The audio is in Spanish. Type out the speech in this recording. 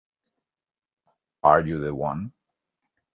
Are You the One?